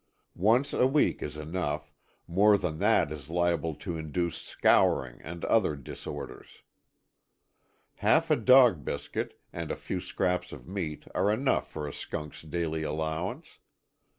Once a week is enough, more than that is liable to induce scouring and other disorders. Half a dog biscuit, and a few scraps of meat are enough for a skunkŌĆÖs daily allowance.